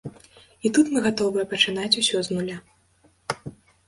І тут мы гатовыя пачынаць усё з нуля.